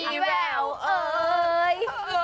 แววเอ่ย